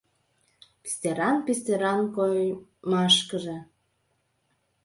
Пистеран-пистеран коймашкыже